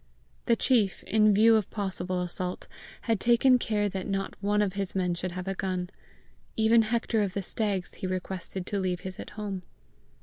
The chief, in view of possible assault, had taken care that not one of his men should have a gun. Even Hector of the Stags he requested to leave his at home.